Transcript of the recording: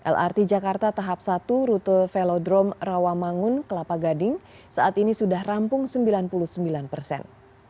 lrt jakarta tahap satu rute velodrome rawamangun kelapa gading saat ini sudah rampung sembilan puluh sembilan persen